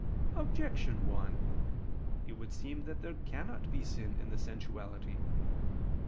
Objection 1: It would seem that there cannot be sin in the sensuality.